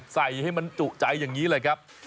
ใส่ให้มันจุใจอย่างนี้เลยครับ